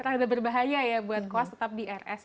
terhadap berbahaya ya buat koas tetap di rs